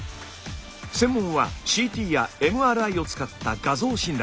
専門はＣＴやＭＲＩを使った画像診断。